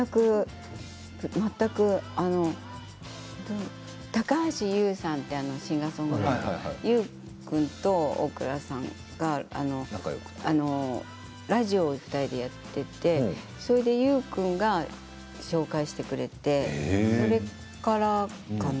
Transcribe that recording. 全く高橋優さんっていうシンガーソングライターとその優君と大倉さんがラジオやっていて優君が紹介してくれてそれからかな